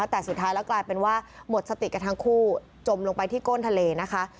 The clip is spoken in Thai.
แต่สุดท้ายแล้วกลายเป็นว่าหมดสติกันทั้งคู่จมลงไปที่ก้นทะเลนะคะ